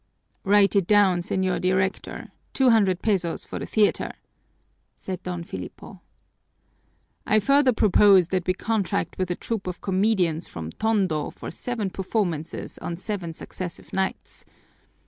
"Write it down, Señor Director, two hundred pesos for the theater," said Don Filipo. "I further propose that we contract with a troupe of comedians from Tondo for seven performances on seven successive nights.